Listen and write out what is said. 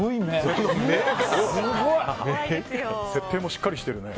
設定もしっかりしてるね。